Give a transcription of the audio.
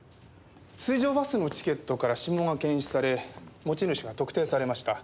水上バスのチケットから指紋が検出され持ち主が特定されました。